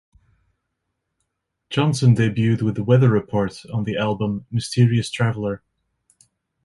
Johnson debuted with Weather Report on the album "Mysterious Traveller".